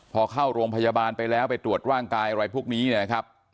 พอเข้าโรงพยาบาลไปแล้วไปตรวจร่างกายอะไรพวกนี้เนี่ยนะครับ